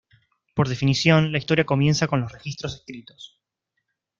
Por definición, la Historia comienza con los registros escritos.